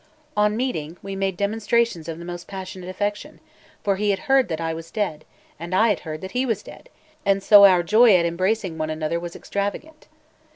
On meeting, we made demonstrations of the most passionate affection; for he had heard that I was dead, and I had heard that he was dead; and so our joy at embracing one another was extravagant.